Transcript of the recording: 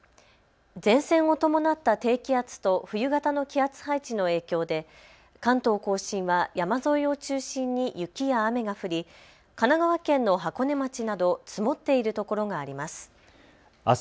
前線を伴った低気圧と冬型の気圧配置の影響で関東甲信は山沿いを中心に雪や雨が降り神奈川県の箱根町など積もっているところがあります。